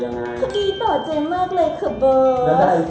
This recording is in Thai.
คือนี้ต่อใจมากเลยคือเบอร์ส